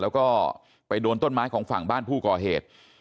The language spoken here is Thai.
แล้วก็ไปโดนต้นไม้ของฝั่งบ้านผู้ก่อเหตุ